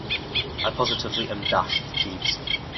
I positively am dashed, Jeeves.